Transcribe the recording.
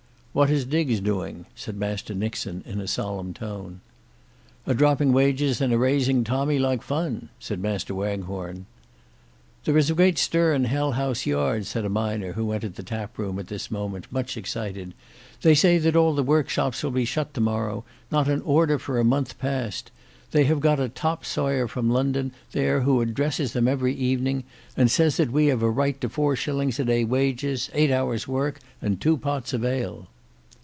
"What is Diggs doing?" said Master Nixon in a solemn tone. "A dropping wages and a raising tommy like fun," said Master Waghorn. "There is a great stir in Hell house yard," said a miner who entered the tap room at this moment, much excited. "They say that all the workshops will be shut to morrow; not an order for a month past. They have got a top sawyer from London there who addresses them every evening, and says that we have a right to four shillings a day wages, eight hours' work and two pots of ale."